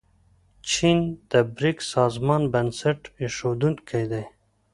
چین د بریکس سازمان بنسټ ایښودونکی دی.